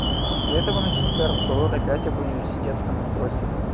После этого начался разговор опять об университетском вопросе.